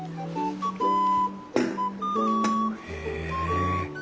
へえ。